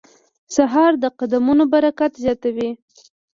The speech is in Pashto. سهار د قدمونو برکت زیاتوي.